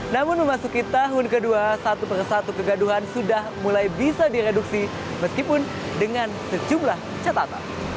namun memasuki tahun kedua satu persatu kegaduhan sudah mulai bisa direduksi meskipun dengan sejumlah catatan